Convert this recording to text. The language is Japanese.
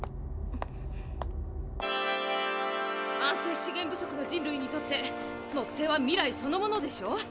慢性資源不足の人類にとって木星は未来そのものでしょ。